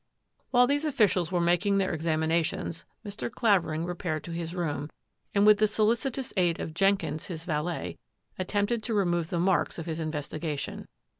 While these officials were making their examina tions, Mr. Clavering repaired to his room, and with the solicitous aid of Jenkins, his valet, at tempted to remove the marks of his investigation.